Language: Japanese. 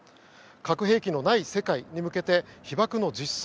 核兵器のない世界に向けて被爆の実相